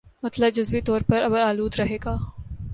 مطلع جزوی طور پر ابر آلود رہے گا